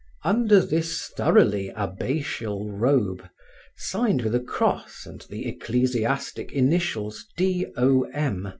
Under this thoroughly abbatial robe, signed with a cross and the ecclesiastic initials 'D.O.M.'